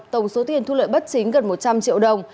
tổng số tiền thu lợi bất chính gần một trăm linh triệu đồng